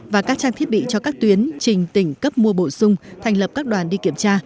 và các trang thiết bị cho các tuyến trình tỉnh cấp mua bổ sung thành lập các đoàn đi kiểm tra